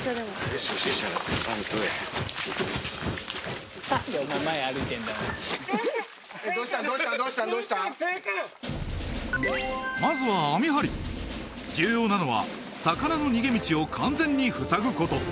冷たい冷たいまずは網張り重要なのは魚の逃げ道を完全にふさぐこと